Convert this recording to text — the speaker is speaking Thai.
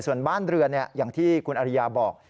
ส่วนบ้านเรือนอย่างที่คุณอริยาบอก